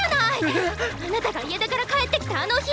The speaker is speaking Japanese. ええ⁉あなたが家出から帰ってきたあの日！